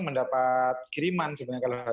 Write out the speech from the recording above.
mendapat kiriman sebenarnya